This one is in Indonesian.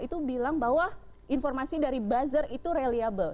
itu bilang bahwa informasi dari buzzer itu reliable